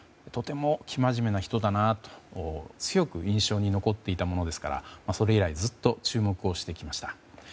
とても生真面目な人だなと強く印象に残っていたものですからそれ以来ずっと注目をしてきました。